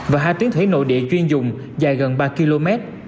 và hai tuyến thủy nội địa chuyên dùng dài gần ba km